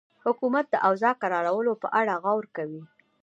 حکومت د اوضاع د کرارولو په اړه غور کوي.